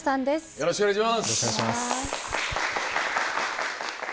よろしくお願いします。